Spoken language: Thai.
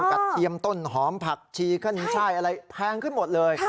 เทียมต้นหอมผักชีขึ้นช่ายอะไรแพงขึ้นหมดเลย